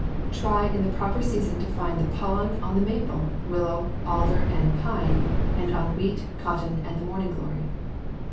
Try in the proper season to find the pollen on the maple, willow, alder, and pine, and on wheat, cotton, and the morning glory.